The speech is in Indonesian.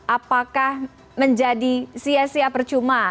apakah menjadi sia sia percuma